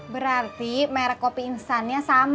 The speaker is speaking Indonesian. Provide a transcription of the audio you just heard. berarti merk kopi instannya sama be